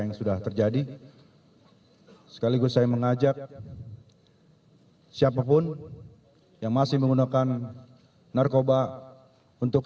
yang sudah terjadi sekaligus saya mengajak siapapun yang masih menggunakan narkoba untuk